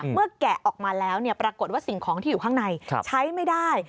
แกะออกมาแล้วปรากฏว่าสิ่งของที่อยู่ข้างในใช้ไม่ได้